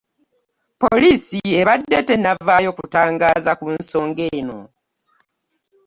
Poliisi evadde tennavaaayo kutangaaza ku nsonga eno